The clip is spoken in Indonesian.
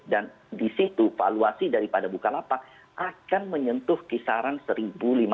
dan di situ valuasi daripada bukalapak akan menyentuh kisaran rp satu lima ratus